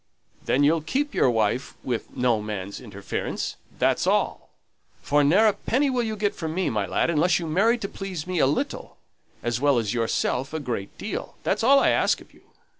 "Then you'll keep your wife with no man's interference, that's all; for ne'er a penny will you get from me, my lad, unless you marry to please me a little, as well as yourself a great deal. That's all I ask of you.